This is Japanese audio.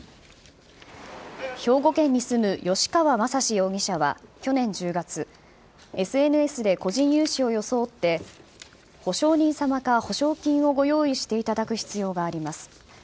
兵庫県に住む吉川昌志容疑者は去年１０月ＳＮＳで個人融資を装って保証人様か保証金をご用意していただく必要があります。